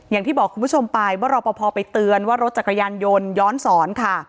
อย่างที่บอกคุณผู้ชมไปว่ารอปภไปเตือนว่ารถจักรยานยนต์ย้อนสอนค่ะ